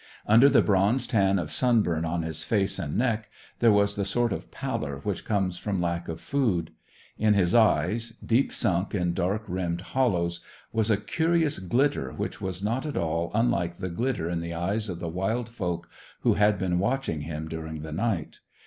Under the bronze tan of sunburn on his face and neck there was the sort of pallor which comes from lack of food; in his eyes deep sunk in dark rimmed hollows was a curious glitter which was not at all unlike the glitter in the eyes of the wild folk who had been watching him during the night.